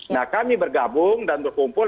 nah kami bergabung dan berkumpul